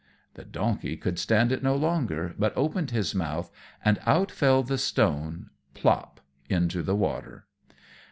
The donkey could stand it no longer, but opened his mouth, and out fell the stone "plop" into the water.